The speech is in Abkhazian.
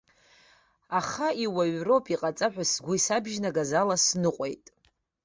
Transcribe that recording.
Аха, иуаҩроуп, иҟаҵа ҳәа сгәы исабжьанагаз ала сныҟәеит.